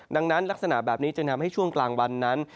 ดังนั้นลักษณะแบบนี้จึงทำให้ช่วงกลางวันนั้น